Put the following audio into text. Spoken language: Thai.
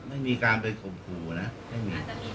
ไม่มีการไปข่มขู่นะไม่มี